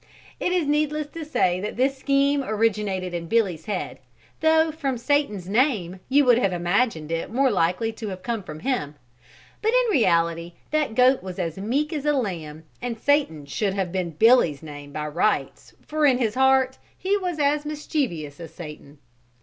It is needless to say that this scheme originated in Billy's head, though from Satan's name you would have imagined it more likely to have come from him; but in reality that goat was as meek as a lamb and Satan should have been Billy's name by rights for in his heart he was as mischievous as Satan.